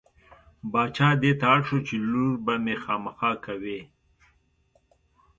باچا دې ته اړ شو چې لور به مې خامخا کوې.